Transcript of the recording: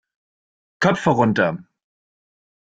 Köpfe runter!